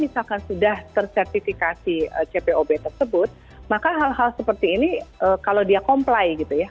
misalkan sudah tersertifikasi cpob tersebut maka hal hal seperti ini kalau dia comply gitu ya